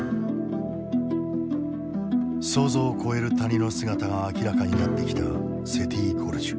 想像を超える谷の姿が明らかになってきたセティ・ゴルジュ。